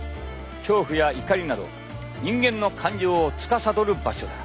恐怖や怒りなど人間の感情をつかさどる場所だ。